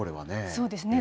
そうですね。